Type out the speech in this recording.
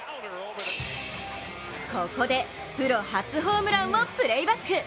ここでプロ初ホームランをプレーバック。